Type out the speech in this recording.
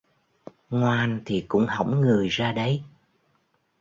Ngoan thì cũng hỏng người ra đấy